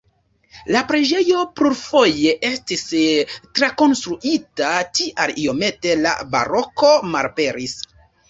La preĝejo plurfoje estis trakonstruita, tial iomete la baroko malaperis.